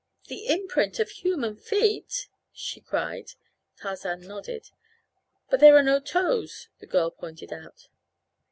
"The imprint of human feet!" she cried. Tarzan nodded. "But there are no toes," the girl pointed out.